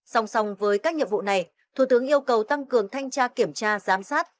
song song với các nhiệm vụ này thủ tướng yêu cầu tăng cường thanh tra kiểm tra giám sát